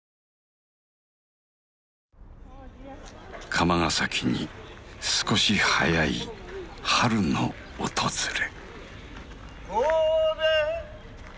釜ヶ崎に少し早い春の訪れ。